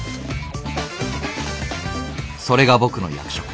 それが僕の役職。